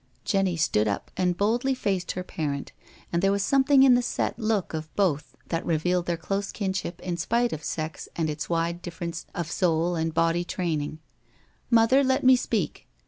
*' Jenny stood up and boldly faced her parent, and there was something in the set look of both that revealed their close kinship in spite of sex and its wide difference of soul and body training. ■* Mother, let me speak."